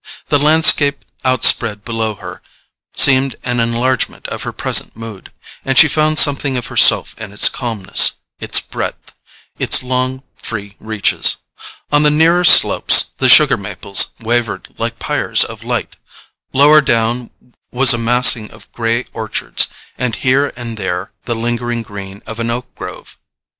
The landscape outspread below her seemed an enlargement of her present mood, and she found something of herself in its calmness, its breadth, its long free reaches. On the nearer slopes the sugar maples wavered like pyres of light; lower down was a massing of grey orchards, and here and there the lingering green of an oak grove.